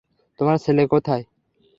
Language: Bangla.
তোমার ছেলে কোথায়?